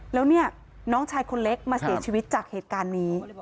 แล้วเนี่ยน้องชายคนเล็กมาเสียชีวิตจากเหตุการณ์นี้